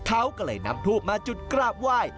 เขาก็เลยนำทูบมาจุดกราบไหว้